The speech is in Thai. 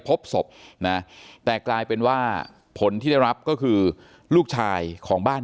พบศพนะแต่กลายเป็นว่าผลที่ได้รับก็คือลูกชายของบ้าน